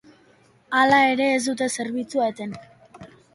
Halere, ez dute zerbitzua eten.